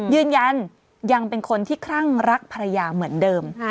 ยืนยันยังเป็นคนที่คลั่งรักภรรยาเหมือนเดิม